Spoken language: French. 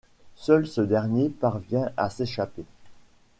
Seul ce dernier parvient à s'échapper.